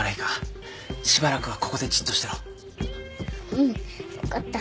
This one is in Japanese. うん分かった。